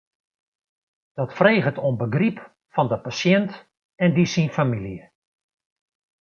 Dat freget om begryp fan de pasjint en dy syn famylje.